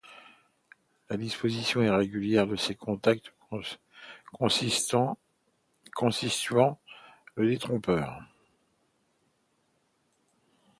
La disposition irrégulière de ces contacts constituant le détrompeur.